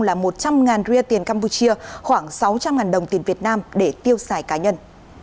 là một trăm linh rit tiền campuchia khoảng sáu trăm linh đồng tiền việt nam để tiêu xài cá nhân